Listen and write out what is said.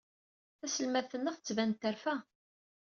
Taselmadt-nneɣ tban-d terfa.